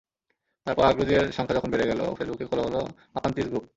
তারপর আগ্রহীদের সংখ্যা যখন বেড়ে গেল, ফেসবুকে খোলা হলো আঁকান্তিস গ্রুপ।